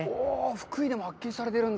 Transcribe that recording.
福井でも発見されてるんだ。